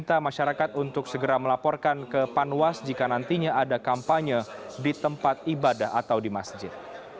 meminta masyarakat untuk segera melaporkan ke panwas jika nantinya ada kampanye di tempat ibadah atau di masjid